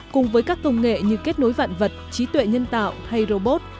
cùng với các công nghệ như kết nối vạn vật trí tuệ nhân tạo hay robot